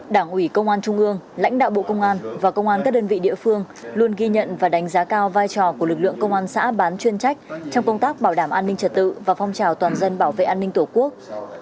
đảng ủy công an trung ương lãnh đạo bộ công an và công an các đơn vị địa phương luôn ghi nhận và đánh giá cao vai trò của lực lượng công an xã bán chuyên trách trong công tác bảo đảm an ninh trật tự và phong trào toàn dân bảo vệ an ninh tổ quốc